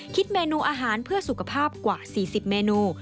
เมนูอาหารเพื่อสุขภาพกว่า๔๐เมนู